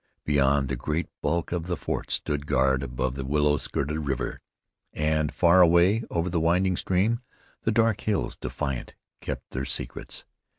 Beyond, the great bulk of the fort stood guard above the willow skirted river, and far away over the winding stream the dark hills, defiant, kept their secrets.